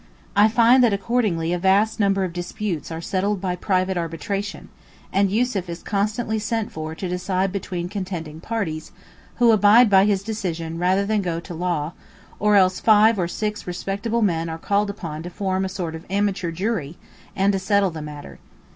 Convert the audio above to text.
I find that accordingly a vast number of disputes are settled by private arbitration, and Yussuf is constantly sent for to decide between contending parties, who abide by his decision rather than go to law; or else five or six respectable men are called upon to form a sort of amateur jury, and to settle the matter.